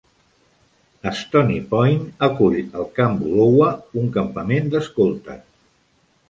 Stony Point acull el Camp Bullowa, un campament d'escoltes.